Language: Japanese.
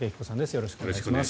よろしくお願いします。